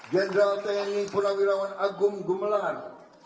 jenderal tni puna wirawan agung gumelar